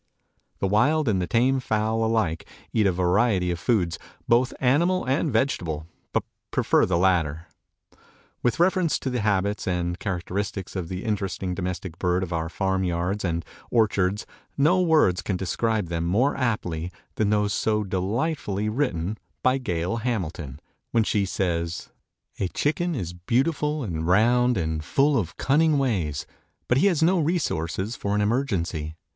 The wild and the tame fowl alike eat a variety of foods, both animal and vegetable, but prefer the latter. With reference to the habits and characteristics of this interesting domestic bird of our farm yards and orchards no words can describe them more aptly than those so delightfully written by Gail Hamilton, when she says: "A chicken is beautiful and round and full of cunning ways, but he has no resources for an emergency.